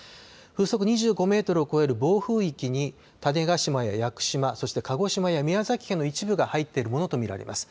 風速２５メートルを超える暴風域に種子島や屋久島、そして鹿児島や宮崎県の一部が入っているものと見られます。